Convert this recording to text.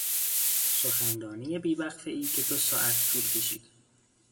سخنرانی بی وقفهای که دو ساعت طول کشید